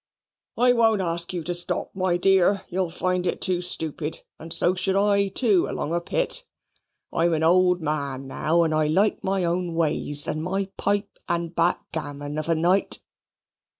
I won't ask you to stop, my dear; you'll find it too stoopid, and so should I too along a Pitt. I'm an old man now, and like my own ways, and my pipe and backgammon of a night."